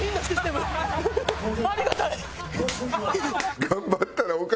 ありがたい！